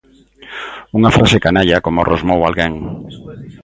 Unha frase canalla, como rosmou alguén.